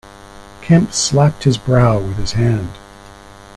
Kemp slapped his brow with his hand.